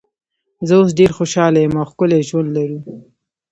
زه اوس ډېره خوشاله یم او ښکلی ژوند لرو.